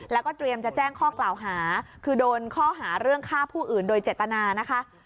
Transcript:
แล้วก็เตรียมจะแจ้งข้อกล่าวหาคือโดนข้อหาเรื่องฆ่าผู้อื่นโดยเจตนานะคะ